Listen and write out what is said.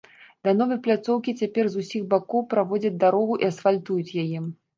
Да новай пляцоўкі цяпер з усіх бакоў праводзяць дарогу і асфальтуюць яе.